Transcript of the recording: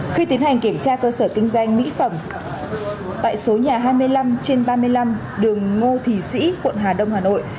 khi tiến hành kiểm tra cơ sở kinh doanh mỹ phẩm tại số nhà hai mươi năm trên ba mươi năm đường ngô thì sĩ quận hà đông hà nội